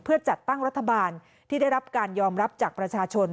เพื่อจัดตั้งรัฐบาลที่ได้รับการยอมรับจากประชาชน